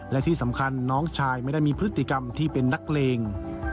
และที่สำคัญน้องชายไม่ได้มีพฤติกรรมที่เป็นนักเลง